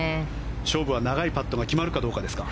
勝負は長いパットが決まるかどうかですか。